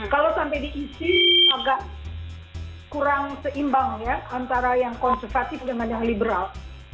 kalau sampai diisi agak kurang seimbang ya antara yang konservatif dengan yang liberal